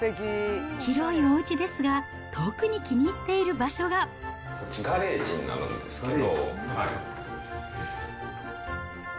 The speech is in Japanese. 広いおうちですが、特に気に入っこっち、ガレージになるんですけど。